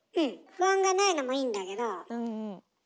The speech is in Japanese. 不安がないのもいいんだけど。